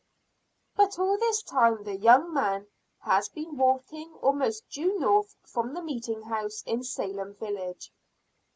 But all this time the young man has been walking almost due north from the meeting house in Salem village.